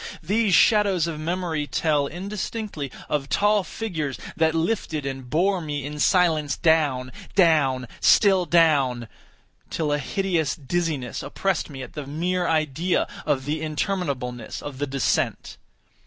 These shadows of memory tell, indistinctly, of tall figures that lifted and bore me in silence down—down—still down—till a hideous dizziness oppressed me at the mere idea of the interminableness of the descent.